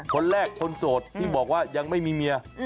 คนแรกคนโสดที่บอกว่ายังไม่มีเมีย